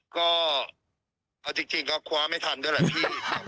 ก็เอาจริงก็คว้าไม่ทันด้วยแหละพี่